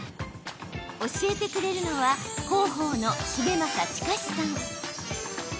教えてくれるのは広報の重政周之さん。